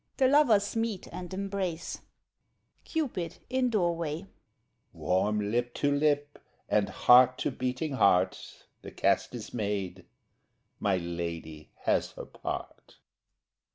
[The lovers meet and embrace.] CUPID (in doorway) Warm lip to lip, and heart to beating heart, The cast is made—My Lady has her part.